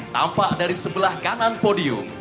tampak dari sebelah kanan podium